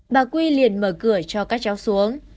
bà quý liền mở cửa cho các cháu xuống